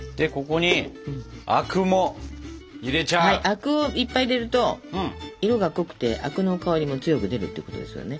灰汁をいっぱい入れると色が濃くて灰汁の香りも強く出るってことですよね。